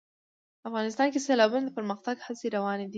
افغانستان کې د سیلابونه د پرمختګ هڅې روانې دي.